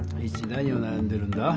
何をなやんでるんだ？